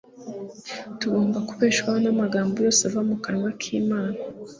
Tugomba kubeshwaho “n'amagambo yose ava mu kanwa k'Imana.